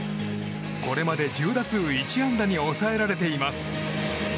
これまで１０打数１安打に抑えられています。